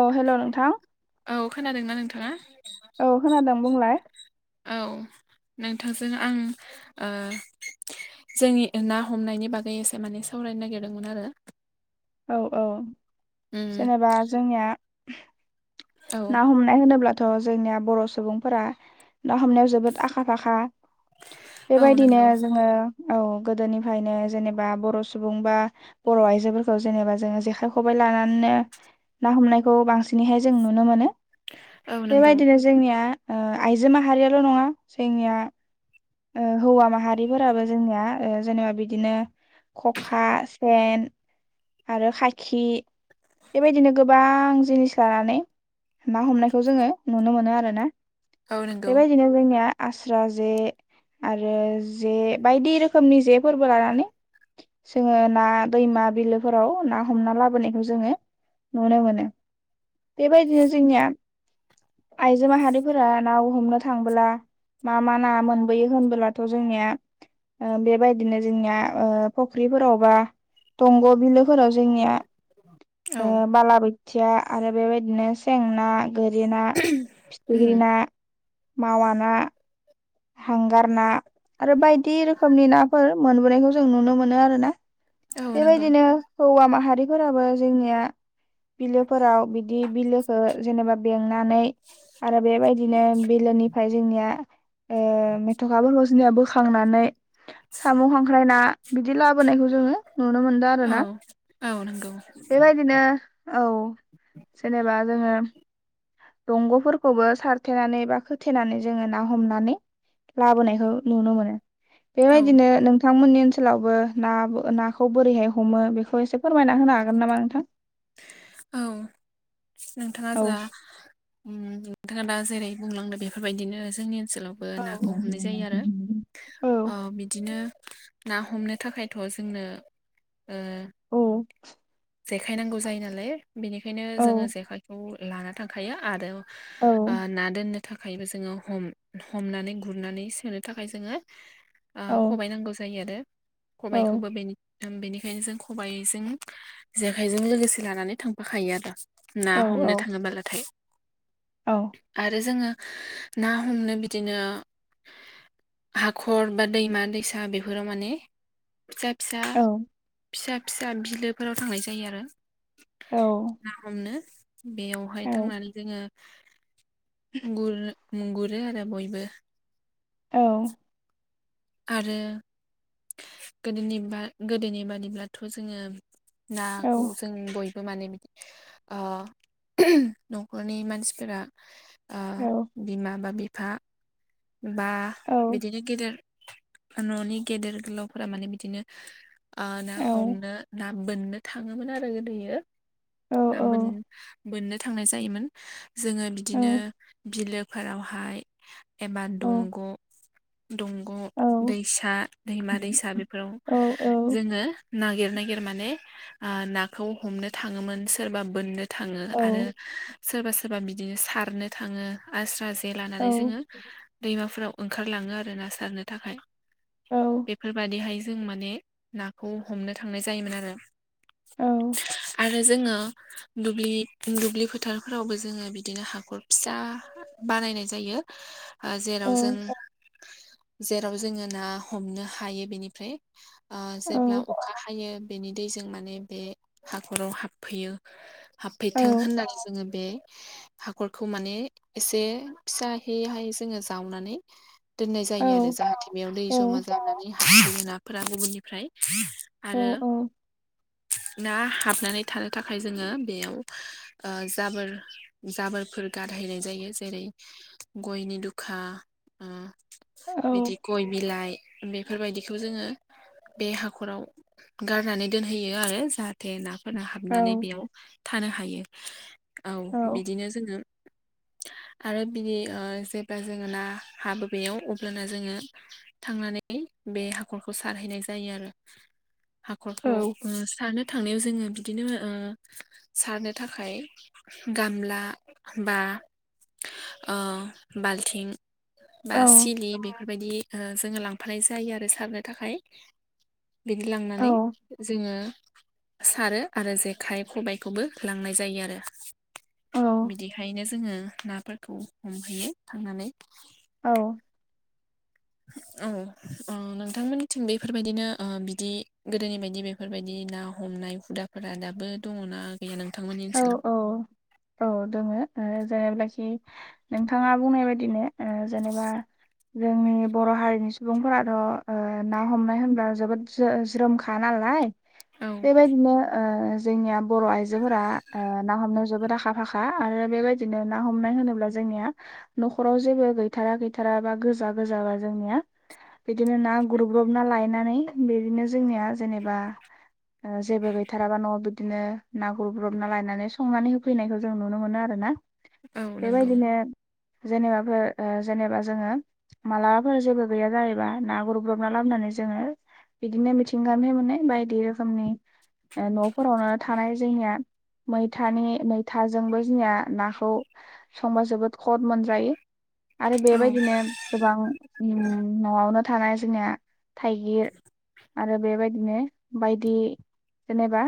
अ हेल' नोंथां। खोनादों ना नोंथाङा? औ खोनादों बुंलाय। औ नोंथांजों आं जोंनि ना हमनायनि बागैससे माने सावरायनो नागिरदोंमोन आरो औ औ उम जेनेबा जोंनिया औ ना हमनाय होनोब्लाथ' जोंनिया बर' सुबुंफोरा ना हमनायाव जोबोद आखा फाखा औ बेबायदिनो नंगौ जोङो औ गोदोनिफ्रायनो जेनेबा बर' सुबुं बा बर' आइजोफोरखौ जेनेबा जोङो जेखाइ खबायाइ लानानै ना हमनायखौ बांसिनैहाय जों नुनो मोनो औ नंगौ बेबायदिनो जोंनिया आइजो माहारियाल' नङा जोंनिया हौवा माहारिफोराबो जोंनिया जेनेबा बिदिनो खखा सेन आरो खाखि बेबायदिनो गोबां जिनिस लानानै ना हमनायखौ जोङो नुनो मोनो आरो ना। औ नंगौ बेबायदिनो जोंनिया आस्रा जे आरो जे बायदि रोखोमनि जेफोरबो लानानै जोङो ना दैमा बिलो फोराव ना हमना लाबोनायखौ जोङो नुनो मोनो। बेबायदिनो जोंनिया आइजो माहारिफोरा ना हमनो थांबोला मा मा ना मोनबोयो होनबोब्लाथ' जोंनिया ओ बेबायदिनो जोंनिया ओ फख्रिफोरावबा दंग' बिलोफोराव जोंनिया ओ औ बालाबोथिया आरो बेबायदिनो सें ना गोरि ना उम फिथिग्रि ना मावा ना हांगार ना आरो बायदि रोखोमनि नाफोर मोनबोनायखौ जों नुनो मोनो आरो ना। औ नंगौ बेबायदिनो हौवा माहारिफोराबो जोंनिया बिलोफोराव बिदि बिलोखो जेनेबा नानै आरो बेबायदिनो बिलोनिफ्राय जोंनिया ओ मेथ'खाफोरखौ जोंनिया बोखांनानै साम' खांख्राय ना बिदि लाबोनायखौ जोङो नुनो मोनदों आरो औ ना। औ नंगौ बेबायदिनो औ जेनेबा जोङो दंग'फोरखौबो सारथेनानै बा खोथेनानै जोङो ना हमनानै लाबोनायखौ नुनो मोनो औ बेबायदिनो नों थांमोननि ओनसोलावबो ना-नाखौ बोरैहाय हमो बेखौ एसे फोरमायना होनो हागोन नामा नोंथां? औ नोंथाङा औ जा नोंथाङा दा जेरै बुंलांदों बेफोरबायदिनो जोंनि सोलावबो नाखौ हमनाय जायो औ ओ बिदिनो ना हमनो थाखायथ' जोंनो ओ औ जेखाय नांगौ जायो नालाय बेनिखायनो औ जोङो जेखाइखौ लाना थांखायो आरो औ आ ना दोनो थाखायबो जोङो हम-हमनानै गुरनानै सोनो थाखाय जोङो ओ औ खबाय नांगौ जायो आरो औ खबाइखौबो बेनि ओम बेनिखायनो जों खबाइजों जेखाइजों लोगोसे लानानै थांफाखायो आरो। ना औ हमनो थाङोब्लाथाय औ आरो जोङो ना हमनो बिदिनो हाखर बा दैमा दैसा बेफोराव माने फिसा फिसा औ फिसा फिसा बिलोफोराव थांनाय जायो आरो औ ना हमनो बेयावहाय औ थांनानै जोङो गुर गुरो आरो बयबो औ आरो गोदोनि बा गोदोनि बादिब्लाथ' जोङो औ नाखौ जों बय बो माने बिदि ओ न'खरनि मानसिफोरा ओ औ बिमा बा बिफा बा औ औ बिदिनो गेदेर न'नि गेदेर गोलावफोरा माने बिदिनो ओ ना औ हमनो ना बोननो थाङोमोन आरो गोदोयो ना बोन बोननो थांनाय जायोमोन जोङो बिदिनो बिलोफोरावहाय एबा दंग' दंग' दैसा दैमा दैसा बेफोराव जोङो नागिर नागिर माने ओ नाखौ हमनो थाङोमोन सोरबा बोननो थाङो आरो सोरबा सोरबा बिदिनो सारनो थाङो आस्रा जे लानानै जोङो दैमाफोराव ओंखारलाङो आरो ना सारनो थाखाय बेफोरबादिहाय जों माने नाखौ हमनो थांनाय जायोमोन आरो। औ आरो जोङो दुब्लि दुब्लि फोथारफोरावबो जोङो बिदिनो हाखर फिसा बानायनाय जायो। ओ जेराव जों जेराव जोङो ना हमनो हायो बेनिफ्राय ओ जेब्ला अखा हायो बेनि दैजों माने बे हाखराव हाबफैयो हाबफैथों होननानै जोङो बे हाखरखौ माने एसे फिसा हहाय जोङो जावनानै दोननाय जायो आरो जाहाथे बेयाव दै जमा जानानै जाफोरा गुबुननिफ्राय आरो ना हाबनानै थानो थाखाय जोङो बेयाव जाबोर जाबोरफोर गारहायनाय जायो जेरै गयनि दुखा औ बिदि गय बिलाइ बेफोरबायदिखौ जोङो बे हाखराव गारनानै दोनहैयो आरो जाहाथे ना [unintelligible] औ हाबनानै बेयाव थानो हायो औ बिदिनो जोङो आरो बिदि उह जेब्ला जोङो ना हाबो बेयाव अब्लाना जोङो थांनानै बे हाखरखौ सारहैनाय जायो आरो हाखरखौ औ [unintelligible] थांनायाव जोङो बिदिनो उह सारनो थाखाय गामला बा उह बाल्थिं बा औ सिलि बेफोरबायदि उह जोङो लांफानाय जायो आरो सारनो थाखाय बिदि औ लांनानै जोङो सारो आरो जेखाइ खबायखौबो लांनाय जायो आरो औ बिदिहायनो जोङो नाफोरखौ हमहैयो थांनानै औ [inaudible] औ नोंथांमोननिथिं बेफोरबायदिनो उह बिदि गोदोनि बायदि बेफोरबायदि ना [unintelligible] [unintelligible] हुदाफोरा दाबो दङना गैया नोंथांमोननि औ ओनसोलाव औ औ दङो [unintelligible] नोंथाङा बुंनाय बायदिनो उह जेनेबा जोंनि बर' हारिनि सुबुंफोराथ' उह ना हमनाय होनब्ला जोबोद जो ज्रोमखाना औ बेबायदिनो उह जोंनिया बर' आइजोफोरा उह ना हमनो जबोद आखा फाखा आरो बेबायदिनो ना हमनाय होनोब्ला जोंनिया न'खराव जेबो गैथारा गैथारा गोजा गोजा बा जोंनिया बिदिनो ना गुरब्रबना लायनानै बिदिनो जोंनिया जेनेबा [inaudible] जेबो गैथाराबा न'आव बिदिनो ना [unintelligible] [unintelligible] लायनानै संनानै होफैनायखौ जों नुनो मोनो आरोना औ नंगौ बेबायदिनो जेनेबाफोर उह जेनेबा जोङो मालाबाफोर जेबो गैया जायोबा ना गुरब्रबना लाबोनानै जोङो बिदिनो मिथिंगानिफ्राय मोननाय बायदि रोखोमनि न'फोरावनो थानाय जोंनिया मैथानि मैथाजोंबो जोंनिया नाखौ संबा जोबोद खद मोनजायो आरो औ बेबायदिनो गोबां न'आवनो थानाय जोंनिया थाइगिर आरो बेबायदिनो बायदि जेनेबा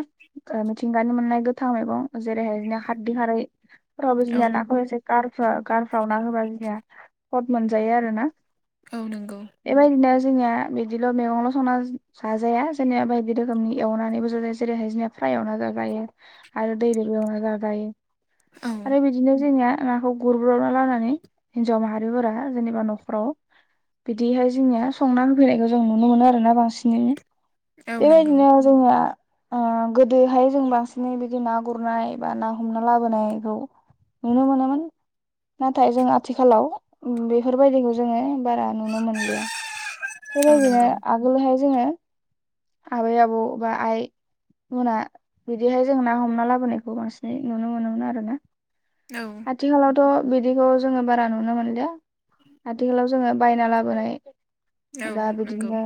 मिथिंगानि मोननाय [unintelligible] [unintelligible] मैगं जेरैहाय खारदै खारै फोरावबो औ जोंनिया नाखौ [unintelligible] गारफ्रा गारफ्राव ना होबा जोंहा खद मोनजायो आरो ना औ नंगौ जोंनिया बिदिल' मैगंल' संना जाजाया जोंनिया बायदि रोखोमनि एवनानैबो जाजायो जेरैहाय जोंहा फ्राय एवना जाजायो आरो दैजोंबो एवना जाजायो औ आरो बिदिनो जोंनिया नाखौ गुरब्रबना लानानै हिन्जाव माहारिफोरा जेनेबा न'खराव बिदिहाय जोंनिया संना होफैनायखौ जों नुनो मोनो आरोना बांसिनैनो औ नंगौ बेबायदिनो जोंङो उह गोदोहाय जों बांसिनै बिदि ना गुरनाय बा ना हमना लाबोनायखौ नुनो मोनोमोन। नाथाय जों आथिखालाव बेफोरबायदिखौ जोङो बारा नुनो मोनलिया औ बेबायदिनो नंगौ आगोलहाय जोङो आबै आबौ बा आइ मोना बिदिहाय जों ना हमना लाबोनायखौ बांसिनै नुनो मोनोमोन आरो ना। औ आथिखालाव थ'बिदिखौ जोङो बारा नुनो मोनलिया आथिखालाव जोङो बायना लाबोनाय औ दा नंगौ बिदिनो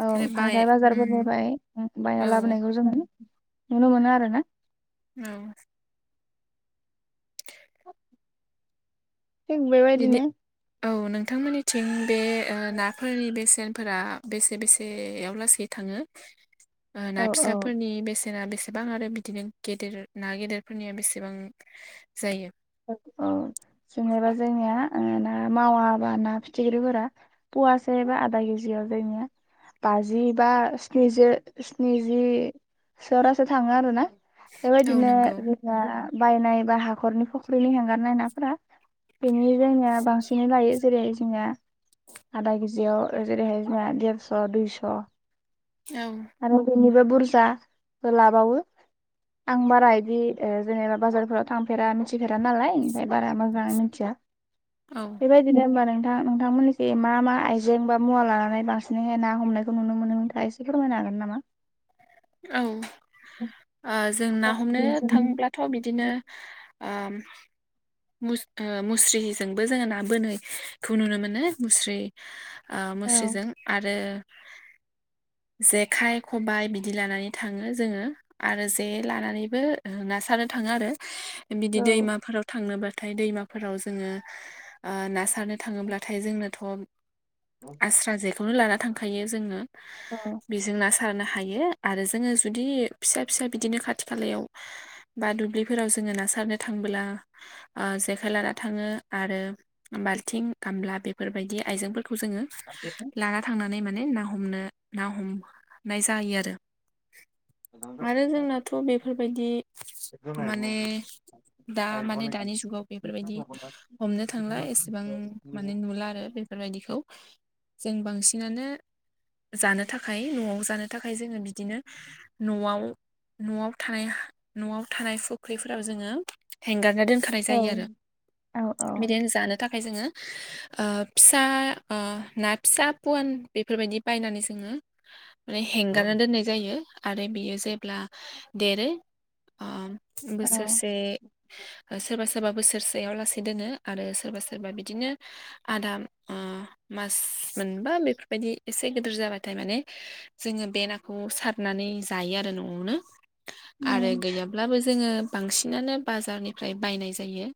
औ हाथ बाय थाइ उम बाजारफोरनिफ्राय बायना औ लाबोनायखौ जोङो नुनो मोनो आरो ना। औ। थिग बिदि बेबायदिनो औ नोंथांमोननिथिं बे नाफोरनि बेसेन फोरा बेसे बेसेयाव लासै थाङो ओ औ ना औ फिसाफोरनि बेसे ना बेसेबां आरो बिदिनो गेदेर ना गेदेरफोरनिया बेसेबां जायो? औ जेनेबा जों ओ ना मावा बा ना फिथिख्रिफोरा फवासेबा आदा केजियाव जोंनिया बाजि बा स्निजि स्निजि सो थाङो आरो ना। औ बेबायदिनो नंगौ जोंहा बायनाय बा हाखरनि फ जोलै हांगारनाय नाफोरा बेनि जोंनिया बांसिनै लायो जेरै जोंनिया। आदा केजियाव जेरै हाय जोहा देरस' दुयस'। औ। [unintelligible] बुरजासो लाबावो। आं बारा बिदि ओ जेनेबा बाजारफोराव थांफेरा मिथिफेरा नालाय बारा मोजाङै मिथिया औ बेबायदिनो ओमबा नों दा नोंथांमोननिखै मा मा आइजें बा मुवा लानानै बांसिनैहाय ना हमनायखौ नुनो मोनो नोंथाङा एसे फोरमायो हागोन नामा? औ ओ जों ना हमनो थांब्लाथ' बिदिनो ओम मुस मुस्रिजोंबो जोङो ना बोनायखौ नुनो मोनो मुस्रि ओ औ मुस्रिजों आरो जेखाइ खबाय बिदि लानानै थाङो जोङो आरो जे लानानैबो ना सारनो थाङो आरो बिदि औ दैमाफोराव थांनोबाथाय दैमाफोराव जोङो ओ ना सारनो थाङोब्लाथाय जोंनोथ' औ आस्रा जेखौनो लाना थांखायो जोंङो औ बेजों ना सा सारनो हायो आरो जोंङी जुदि फिसा, फिसा बिदिनो खाथि खालाव बा दुब्लिफीराव जों जोङो ना सारनो थांबोला ओ जेखाय लाना थाङो आरो बालथिं गामला बेफोरबायदि आयजें फोर खौ जोङो लाना थांनानै मा ने ना हमनो ना, हमनाय जायो आरो। आरो जोंनाथ' बेफोर बायदि माने दा माने दानि जुगाव बेफोरबायदि हमनो थांला एसेबांमाने नुला आरो बेफोरबायदिखौ। जों बांसिनानो जानो थाखाय न'आव जानो थाखाय जोङो बिदिनो न'आव न'आव थानाय न'आव थानाय फुख्रिफोराव जोङो हेंगारना दोनखानाय औ जायो आरो औ औ बिदिनो जानो था खाम जोङो ओ फिसा ओ ना फिसा पवान बेफोरबायदि बायनानै जोङो [unintelligible] माने हेंगारना दोननाय जायो आरो बियो जेब्ला देरो ओ बोसोरसे ओ सोर बा सोरबा बोसोरसेयाव लासै दोनो आरो सोरबा सोरबा बिदिनो आदा मा मास मोनबा बेफोरबायदि एसे गिदिर जाबाथाय माने जोङो बे नाखौ सारनानै जा [unintelligible] न'आवनो आरो गैयाब्लाबो जोंङो बांसिनानो बाजारनिफ्राय बायनाय जायो।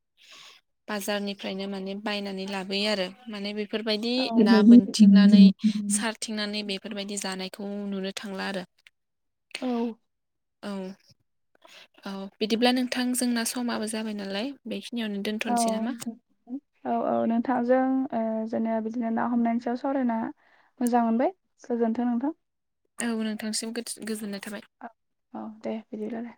बाजारनिफ्रायनो माने बायनानै लाबोयो आरो माने बे बेफोरबायदि ना बोनथिंनानै सारथिंनानै बेफोरबायदि जानाय- खौ नुनो थांला आरो। औ औ औ बिदिब्ला नोंथां जोंना समाबो जाबाय नालाय बे औ औ औ नोंथांजों ओ जेन बिदिनो ना हमनायनि सायाव सावरायना मोजां मोनबाय गोजोनथों नोंथां। औ नोंथांसिम गोजोननाय थाबाय औ दे बिदिब्लाय